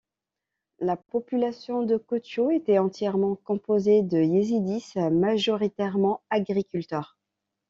La population de Kocho était entièrement composée de Yézidis, majoritairement agriculteurs.